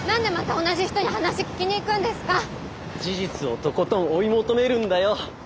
事実をとことん追い求めるんだよ！